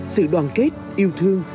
sự đoàn kết yêu thương